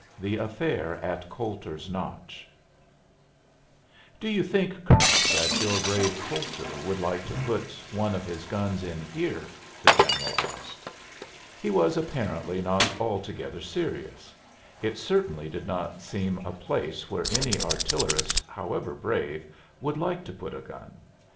THE AFFAIR AT COULTER'S NOTCH "Do you think, Colonel, that your brave Coulter would like to put one of his guns in here?" the general asked. He was apparently not altogether serious; it certainly did not seem a place where any artillerist, however brave, would like to put a gun.